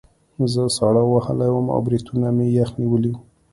زه ساړه وهلی وم او بریتونه مې یخ نیولي وو